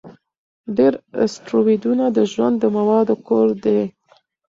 ډېر اسټروېډونه د ژوند د موادو کور دي.